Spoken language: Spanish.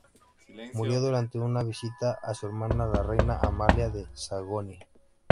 Murió durante una visita a su hermana, la reina Amalia de Sajonia.